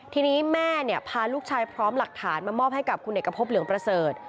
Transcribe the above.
ทีนี้แม่พาลูกชายพร้อมหลักฐานมามอบให้กับคุณเอกพบเหลืองประเสริฐ